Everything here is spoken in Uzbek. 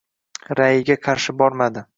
Ra`yiga qarshi bormadi